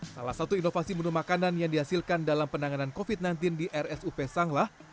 salah satu inovasi menu makanan yang dihasilkan dalam penanganan covid sembilan belas di rsup sanglah